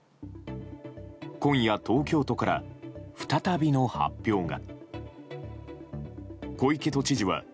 今夜、東京都から再びの発表が。